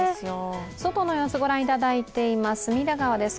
外の様子、ご覧いただいています、隅田川です。